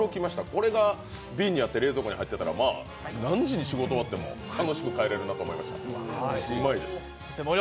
これが瓶に入って冷蔵庫に入ってたらまあ、何時に仕事終わっても楽しく帰れるなと思いました、うまいです。